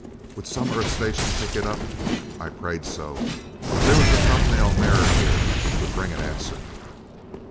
Would some Earth station pick it up? I prayed so. There was a thumbnail mirror here which would bring an answer.